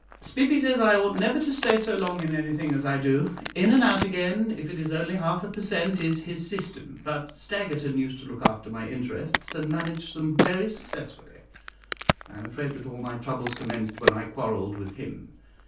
Spiffy says I ought never to stay so long in anything as I do; in and out again, if it is only half a per cent, is his system; but Staggerton used to look after my interests, and managed them very successfully. I am afraid that all my troubles commenced when I quarrelled with him.